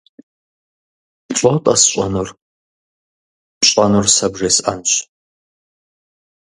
- ЛӀо-тӀэ сщӀэнур? - ПщӀэнур сэ бжесӀэнщ.